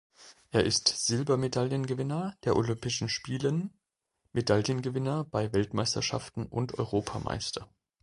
Er ist Silbermedaillengewinner der Olympischen Spielen, Medaillengewinner bei Weltmeisterschaften und Europameister.